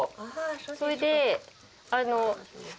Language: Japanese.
それで。